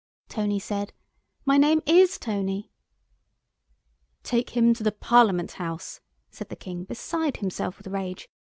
Tony said, "My name is Tony." "Take him to the Parliament House," said the King, beside himself with rage.